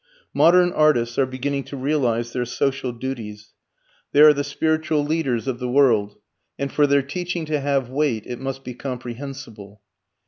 Modern artists are beginning to realize their social duties. They are the spiritual teachers of the world, and for their teaching to have weight, it must be comprehensible.